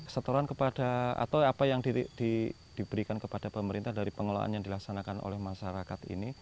setoran kepada atau apa yang diberikan kepada pemerintah dari pengelolaan yang dilaksanakan oleh masyarakat ini